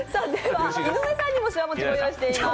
井上さんにもしわもち、ご用意しています。